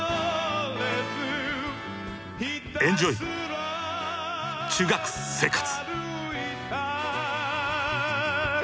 「エンジョイ中学生活！」。